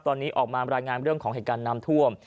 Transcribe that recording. ตอนนี้ออกมารายงานเรื่องของเหตุการณ์น้ำท่วม